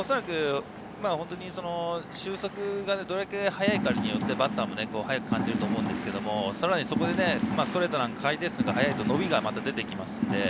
終速がどれだけ速いかによって、バッターも速く感じると思うんですけれど、さらにそこでストレン数の回転数が速いと伸びが出てきます。